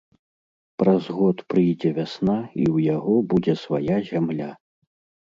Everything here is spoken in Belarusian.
Праз год прыйдзе вясна, і ў яго будзе свая зямля.